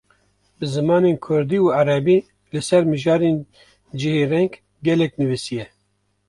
Bi zimanên Kurdî û Erebî, li ser mijarên cihêreng gelek nivîsiye